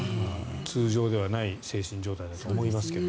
通常ではない精神状態だとは思いますが。